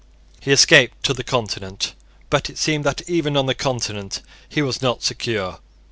He escaped to the Continent. But it seemed that even on the Continent he was not secure.